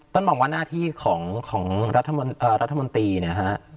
ต้นบอกว่าหน้าที่ของรัฐมนตร์รัฐมนตรีเนี่ยฮะ